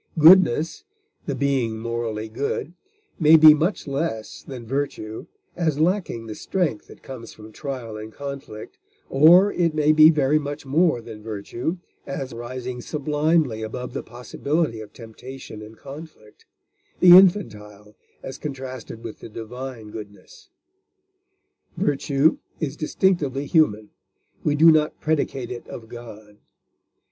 Goodness, the being morally good, may be much less than virtue, as lacking the strength that comes from trial and conflict, or it may be very much more than virtue, as rising sublimely above the possibility of temptation and conflict the infantile as contrasted with the divine goodness. Virtue is distinctively human; we do not predicate it of God.